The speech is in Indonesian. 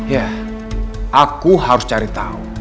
ya aku harus cari tahu apa itu